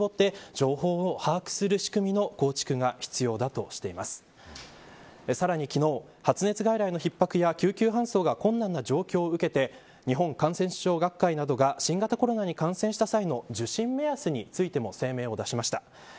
その中でさらに昨日、発熱外来の逼迫や救急搬送が困難な状況を受けて、日本感染症学会などが新型コロナに感染した際の受診目安に対しても声明を出しました。